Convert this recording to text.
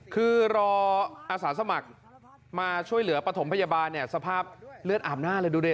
คือรออาสาสมัครมาช่วยเหลือปฐมพยาบาลเนี่ยสภาพเลือดอาบหน้าเลยดูดิ